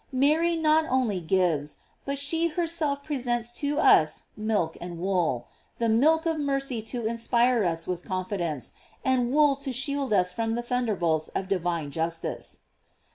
f Mary not only gives, but she her self presents to us milk and wool: the milk of mercy to inspire us with confidence, and wool to shield us from the thunderbolts of divine justice!